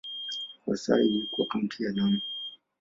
Kwa sasa imekuwa kaunti ya Lamu.